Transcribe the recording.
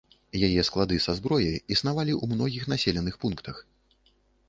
Яе склады са зброяй існавалі ў многіх населеных пунктах.